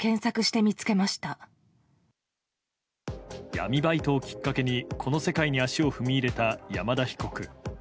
闇バイトをきっかけにこの世界に足を踏み入れた山田被告。